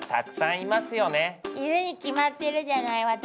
いるに決まってるじゃない私に。